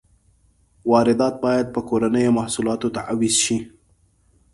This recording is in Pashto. واردات باید په کورنیو محصولاتو تعویض شي.